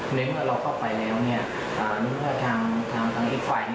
หนึ่งเมื่อเราเข้าไปแล้วเนี่ยนุ่นเปล่าถามของอีกฝ่าย